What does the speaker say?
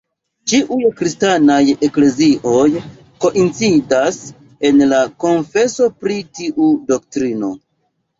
Ĉiuj kristanaj eklezioj koincidas en la konfeso pri tiu doktrino.